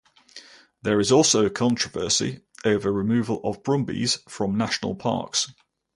There is also controversy over removal of Brumbies from National Parks.